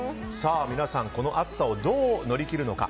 皆さん、この暑さをどう乗り切るのか。